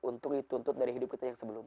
untung dituntut dari hidup kita yang sebelumnya